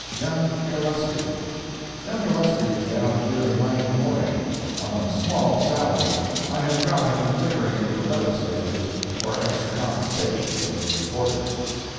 YOUNG GILLESPIE Young Gillespie is down here in my employ. On a small salary. I have got him figuring with the Legislators for extra compensation for the reporters.